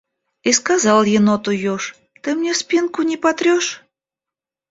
И сказал еноту еж: «Ты мне спинку не потрешь?»